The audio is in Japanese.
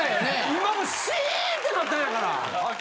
今もシーンってなったんやから。